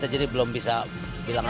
jadi belum bisa bilang apa